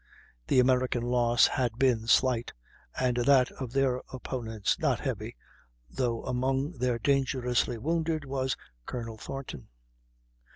The American loss had been slight, and that of their opponents not heavy, though among their dangerously wounded was Colonel Thornton.